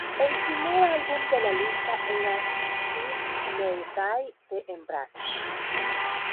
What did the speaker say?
El primer álbum de la lista era "This New Day" de Embrace.